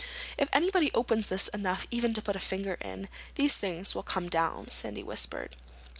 "If anybody opens this enough even to put a finger in, these things will come down," Sandy whispered.